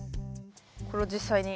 これを実際に。